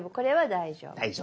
大丈夫。